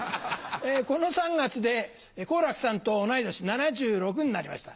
この３月で好楽さんと同い年７６になりました。